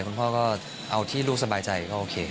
คุณพ่อก็เอาที่ลูกสบายใจก็โอเค